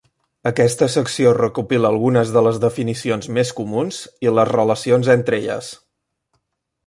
Aquesta secció recopila algunes de les definicions més comuns i les relacions entre elles.